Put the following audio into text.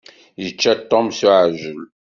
Yečča Tom s uɛijel.